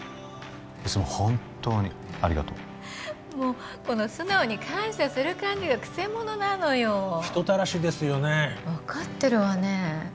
いつも本当にありがとうもうこの素直に感謝する感じが曲者なのよ人たらしですよね分かってるわね